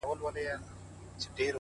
o يوه کډه د بلي کډي زړه کاږي!